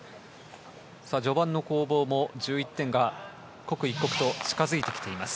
序盤の攻防も１１点が刻一刻と近づいてきています。